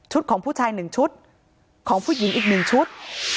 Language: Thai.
ชุดของผู้ชายหนึ่งชุดของผู้หญิงอีกหนึ่งชุด